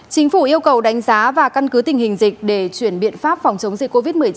chính phủ yêu cầu đánh giá và căn cứ tình hình dịch để chuyển biện pháp phòng chống dịch covid một mươi chín